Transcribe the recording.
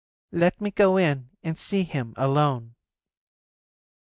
"Let me go in and see him alone."